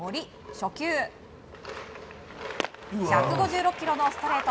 初球、１５６キロのストレート。